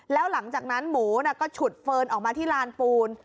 แล้วหลังจากนั้นหมูก็ฉุดเฟิร์นออกมาที่ลานปูน